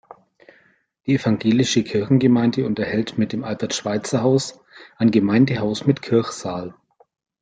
Die evangelische Kirchengemeinde unterhält mit dem "Albert-Schweitzer-Haus" ein Gemeindehaus mit Kirchsaal.